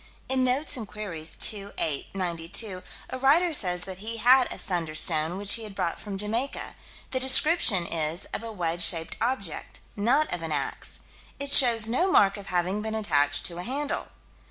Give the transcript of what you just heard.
In Notes and Queries, 2 8 92, a writer says that he had a "thunderstone," which he had brought from Jamaica. The description is of a wedge shaped object; not of an ax: "It shows no mark of having been attached to a handle."